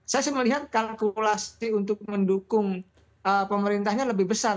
saya sih melihat kalkulasi untuk mendukung pemerintahnya lebih besar